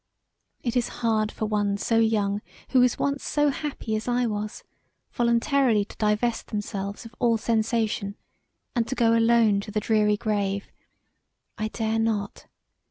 It is hard for one so young who was once so happy as I was; voluntarily to divest themselves of all sensation and to go alone to the dreary grave; I dare not.